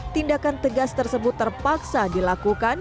tindakan tegas tersebut terpaksa dilakukan